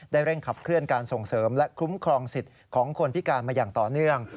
เร่งขับเคลื่อนการส่งเสริมและคุ้มครองสิทธิ์ของคนพิการมาอย่างต่อเนื่อง